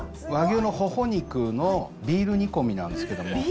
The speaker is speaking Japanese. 和牛の頬肉のビール煮込みなんですけども。